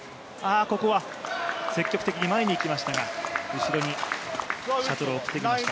ここは積極的に前にいきましたが後ろにシャトルを送ってきました